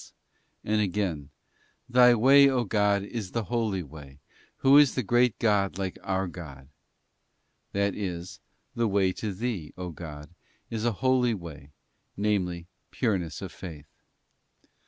Or super "6 Dsky big And again, ' Thy way, O God, is in the holy place; who is the great God like our God?' ft That is, the way to Thee, O God, is a holy way, namely, pureness of faith.